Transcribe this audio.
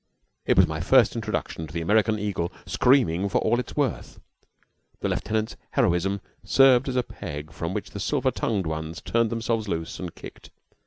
It was my first introduction to the American eagle screaming for all it was worth. The lieutenant's heroism served as a peg from which the silver tongued ones turned themselves loose and kicked.